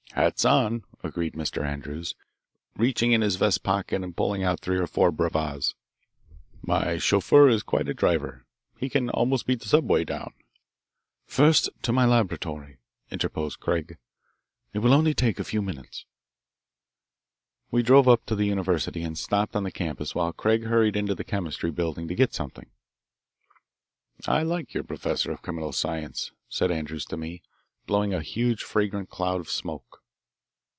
"Hats on," agreed Mr. Andrews, reaching in his vest pocket and pulling out three or four brevas. "My chauffeur is quite a driver. He can almost beat the subway down." "First, to my laboratory," interposed Craig. "It will take only a few minutes." We drove up to the university and stopped on the campus while Craig hurried into the Chemistry Building to get something. "I like your professor of criminal science;" said Andrews to me, blowing a huge fragrant cloud of smoke.